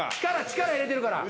力入れてるから。